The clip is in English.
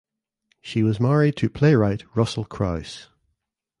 She was married to playwright Russel Crouse.